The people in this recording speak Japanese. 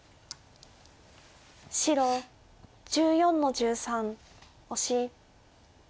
白１４の十三オシ。